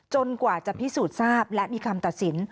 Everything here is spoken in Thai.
กว่าจะพิสูจน์ทราบและมีคำตัดสิน